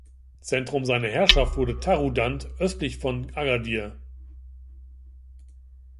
Zentrum seiner Herrschaft wurde Taroudannt östlich von Agadir.